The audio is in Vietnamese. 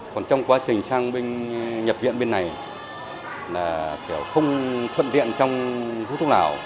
còn trong quá trình sang nhập viện bên này không thuận tiện trong thuốc lá